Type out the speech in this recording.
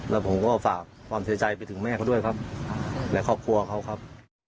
แล้วผมก็ฝากความเสียใจไปถึงแม่เขาด้วยครับและครอบครัวเขาครับ